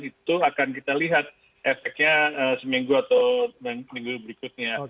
itu akan kita lihat efeknya seminggu atau minggu berikutnya